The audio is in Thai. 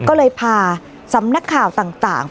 ก็เลยพาสำนักข่าวต่าง